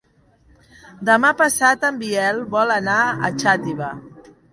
Demà passat en Biel vol anar a Xàtiva.